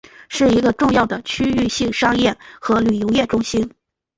是一个重要的区域性商业和旅游业中心。